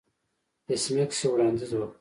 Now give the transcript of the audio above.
ایس میکس یو وړاندیز وکړ